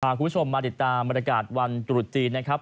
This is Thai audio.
คุณผู้ชมมาติดตามบรรยากาศวันตรุษจีนนะครับ